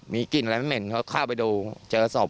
มีกลิ่นอะไรไม่เหม็นเขาเข้าไปดูเจอศพ